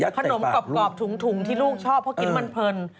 กรอบถุงที่ลูกชอบเพราะกินมันเพลิน